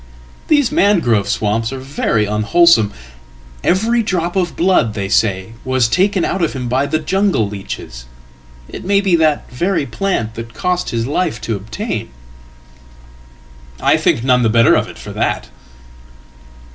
These mangrove swamps are veryunwholesome. Every drop of blood, they say, was taken out of him by thejungle leeches. It may be that very plant that cost him his life toobtain.""I think none the better of it for that.""